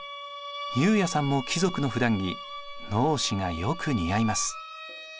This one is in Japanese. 悠也さんも貴族のふだん着直衣がよく似合います。